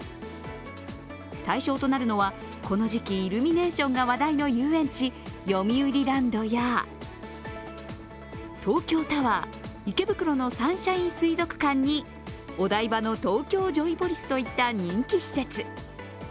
対象となるのは、この時期イルミネーションが話題の遊園地・よみうりランドや東京タワー、池袋のサンシャイン水族館に、お台場の東京ジョイポリスといった人気施設。